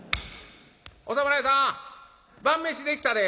「お侍さん晩飯できたで。